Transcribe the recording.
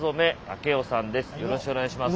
よろしくお願いします。